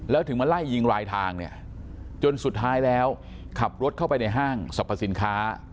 แล้วถึงมาไล่ยิงรายทางเนี่ยจนสุดท้ายแล้วขับรถเข้าไปในห้างสรรพสินค้า